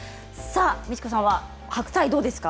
ミチコさんは白菜はどうですか？